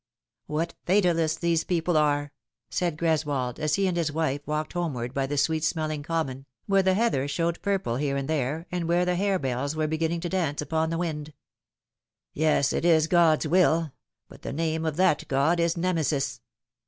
" What fatalists these people are !" said Greswold, as he and his wife walked homeward by the sweet smelling common, where the heather showed purple here and there, aud where the hare bells were beginning to dance upon the wind. " Yes, it is God's will ; but the name of that God is Nemesis."